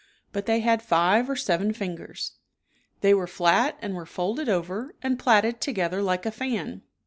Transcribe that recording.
But they had five or seven fingers. They were flat and were folded over and plaited together like a fan.